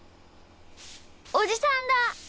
おじさんだ。